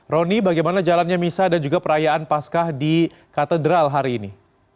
roni bagaimana jalannya misa dan juga perayaan pascah di katedral hari ini